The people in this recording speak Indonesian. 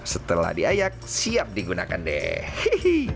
setelah diayak siap digunakan deh hihihi